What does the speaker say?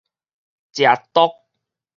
食毒